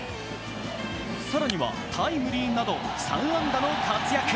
更にはタイムリーなど３安打の活躍